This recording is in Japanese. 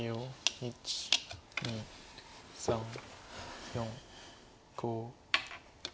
１２３４５。